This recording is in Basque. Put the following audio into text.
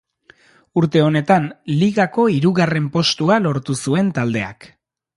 Urte honetan Ligako hirugarren postua lortu zuen taldeak.